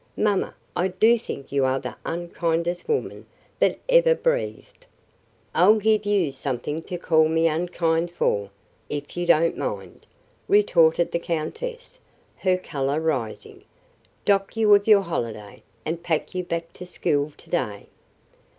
"Mamma, I do think you are the unkindest woman that ever breathed!" "I'll give you something to call me unkind for, if you don't mind," retorted the countess, her color rising. "Dock you of your holiday, and pack you back to school to day."